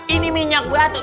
ini minyak batu